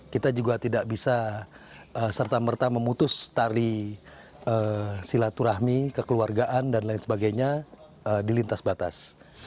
kita juga tidak bisa serta merta memutus tari silaturahmi kekeluargaan dan lain sebagainya di lintas batas